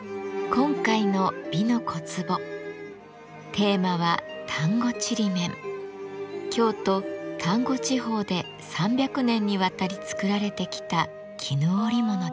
今回の「美の小壺」テーマは京都丹後地方で３００年にわたり作られてきた絹織物です。